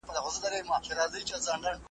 ورور په وینو لمبولی نښانه د شجاعت وي `